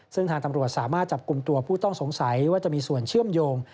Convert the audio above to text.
ซึ่งทางตำรวจสามารถจับกลุ่มตัวผู้ต้องสงสัยว่าจะมีส่วนเชื่อมโยง